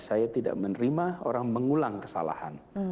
saya tidak menerima orang mengulang kesalahan